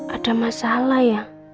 ada masalah ya